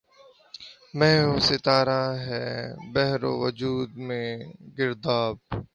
مہ و ستارہ ہیں بحر وجود میں گرداب